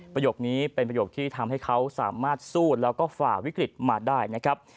ประโยคนี้เป็นประโยคที่ทำให้เขาสามารถสู้แล้วก็ฝ่าวิกฤตมาได้นะครับ